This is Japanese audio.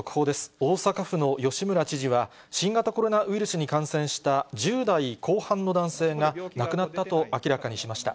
大阪府の吉村知事は、新型コロナウイルスに感染した１０代後半の男性が亡くなったと明らかにしました。